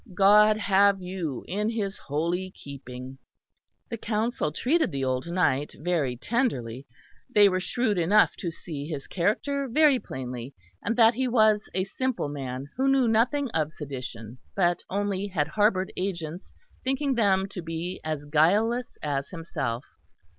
God have you in his holy keeping." The Council treated the old knight very tenderly. They were shrewd enough to see his character very plainly; and that he was a simple man who knew nothing of sedition, but only had harboured agents thinking them to be as guileless as himself.